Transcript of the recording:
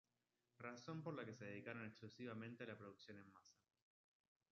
Razón por la que se dedicaron exclusivamente a la producción en masa.